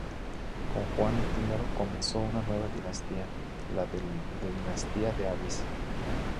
Con Juan I comenzó una nueva dinastía, la de Dinastía de Avís.